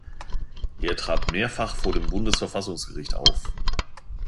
Er trat mehrfach vor dem Bundesverfassungsgericht auf.